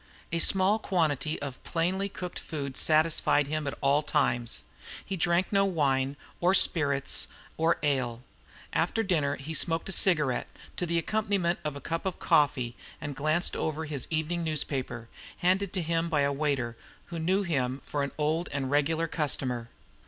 A small quantity of plainly cooked food satisfied him at all times; he drank no wine or spirits or ale; after dinner he smoked a cigarette to the accompaniment of a cup of coffee, and glanced over his evening newspaper, handed to him by a waiter who knew him for an old and regular customer.